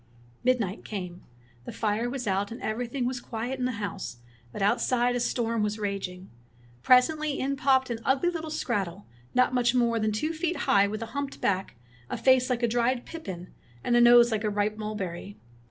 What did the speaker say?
Midnight came. The fire was out, and everything was quiet in the house, but out side a storm was raging. Presently in popped an ugly little skrattel not much more than two feet high, with a humped back, a face like a dried pippin, and a nose like a ripe mulberry.